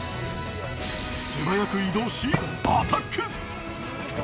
素早く移動し、アタック。